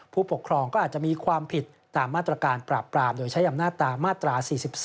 ผู้ปกครองก็อาจจะมีความผิดตามมาตรการปราบปรามโดยใช้อำนาจตามมาตรา๔๔